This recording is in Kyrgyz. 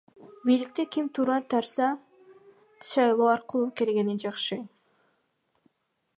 Бийликте ким турса дагы, шайлоо аркылуу келгени жакшы.